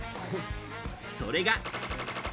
それが。